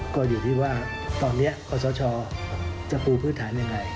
ก็อยู่ที่ว่าตอนนี้ขอสชจะปูพื้นฐานยังไง